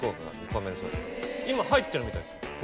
今入ってるみたいですよ。